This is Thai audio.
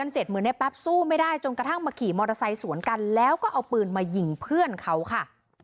เสร็จเหมือนในแป๊บสู้ไม่ได้จนกระทั่งมาขี่มอเตอร์ไซค์สวนกันแล้วก็เอาปืนมายิงเพื่อนเขาค่ะ